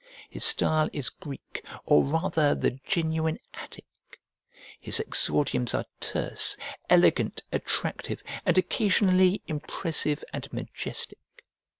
His style is Greek, or rather the genuine Attic. His exordiums are terse, elegant, attractive, and occasionally impressive and majestic.